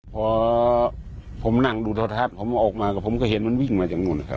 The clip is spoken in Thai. พอผมนั่งดูโทรทัศน์ผมออกมาก็ผมก็เห็นมันวิ่งมาจากนู่นครับ